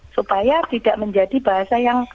supaya tidak menjadi bahasa yang